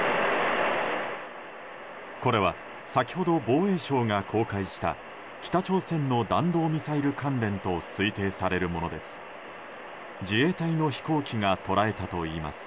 これは先ほど防衛省が公開した北朝鮮の弾道ミサイル関連と推定されるものです。